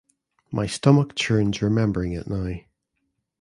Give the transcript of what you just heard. My stomach churns remembering it now.